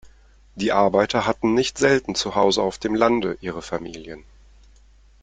Die Arbeiter hatten nicht selten zuhause auf dem Lande ihre Familien.